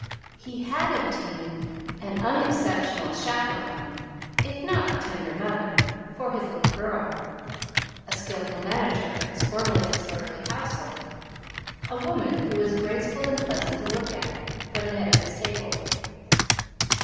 He had obtained an unexceptionable chaperone, if not a tender mother, for his little girl; a skilful manager of his previous disorderly household; a woman who was graceful and pleasant to look at for the head of his table.